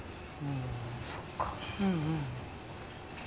そっか。